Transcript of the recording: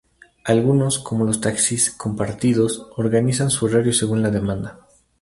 Algunos, como los taxis compartidos, organizan su horario según la demanda.